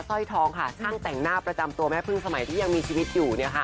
สร้อยท้องค่ะซั่งแต่งหน้าประจำตัวแม่ภึงสมัยที่ยังมีชีวิตอยู่